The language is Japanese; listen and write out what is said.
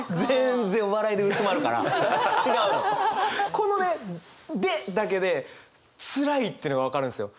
このね「で」だけでつらいっていうのが分かるんですよ。